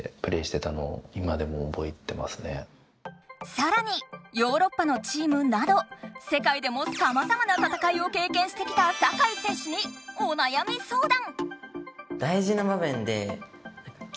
さらにヨーロッパのチームなど世界でもさまざまな戦いをけいけんしてきた酒井選手にお悩み相談！